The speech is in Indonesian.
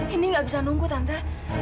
indi gak bisa nunggu tante